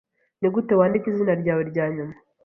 Nigute wandika izina ryawe ryanyuma?